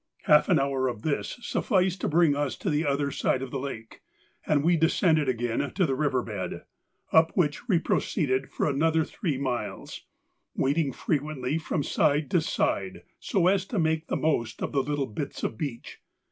Half an hour of this sufficed to bring us to the other side of the lake, and we descended again to the river bed, up which we proceeded for another three miles, wading frequently from side to side so as to make the most of the little bits of beach.